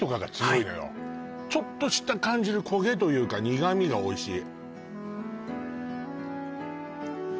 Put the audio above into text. はいちょっとした感じる焦げというか苦味がおいしい